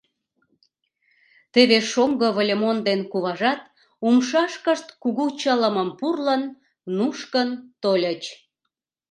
Теве шоҥго Выльымон ден куважат умшашкышт кугу чылымым пурлын нушкын тольыч.